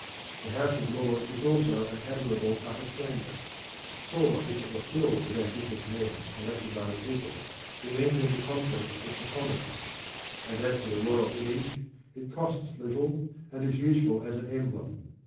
The House of Lords is also an admirable Upper Chamber; for if it were filled with ambitious men elected by the people it would enter into conflict with the Commons. And as for the Royal Image it costs little and is useful as an emblem.